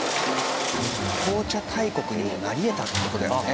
紅茶大国にもなり得たって事だよね。